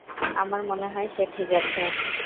আমার মনে হয় সে ঠিক আছে।